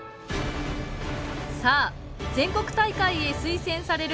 さあ全国大会へ推薦される